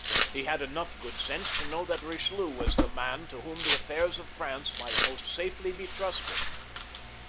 He had enough good sense to know that Eichelieu was the mail to whom the affairs of France might most safely be trusted.